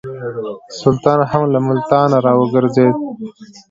سلطان هم له ملتانه را وګرځېدی.